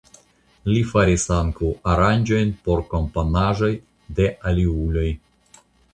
Li faris ankaŭ aranĝojn por komponaĵoj de aliuloj.